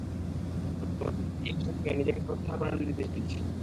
তোমাকে ক্যাপ্টেন এই মিশন থেকে নিজেকে প্রত্যাহার করার নির্দেশ দিচ্ছি।